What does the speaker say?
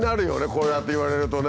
こうやって言われるとね。